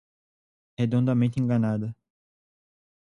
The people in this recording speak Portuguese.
Redondamente enganada